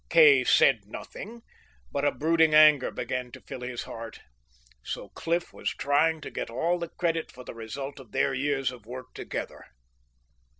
Kay said nothing, but a brooding anger began to fill his heart. So Cliff was trying to get all the credit for the result of their years of work together!